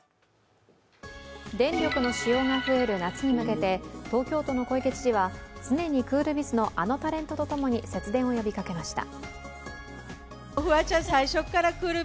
電力の使用が増える夏に向けて、東京都の小池知事は常にクールビズの、あのタレントと共に節電を呼びかけました。